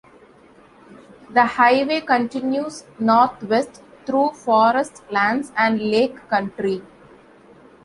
The highway continues northwest through forest lands and lake country.